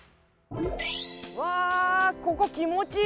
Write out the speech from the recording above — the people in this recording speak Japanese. わあここ気持ちいい！